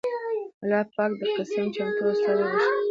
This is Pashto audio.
اللهٔ پاک د قسيم چمتو استاد وبښي